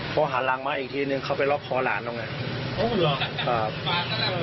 พอหารางมาอีกทีหนึ่งเขาไปล็อกคอหลานตรงนั้น